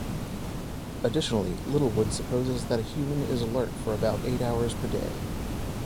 Additionally, Littlewood supposes that a human is alert for about eight hours per day.